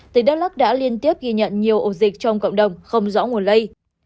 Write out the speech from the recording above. tỉnh đắk lắc đã liên tiếp ghi nhận nhiều ổ dịch trong cộng đồng không rõ nguồn lây